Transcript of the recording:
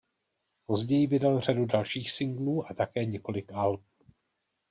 Později vydal řadu dalších singlů a také několik alb.